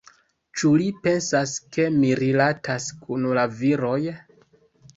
Ĉu li pensas ke mi rilatas kun la viroj?